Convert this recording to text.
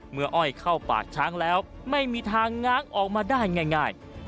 อ้อยเข้าปากช้างแล้วไม่มีทางง้างออกมาได้ง่าย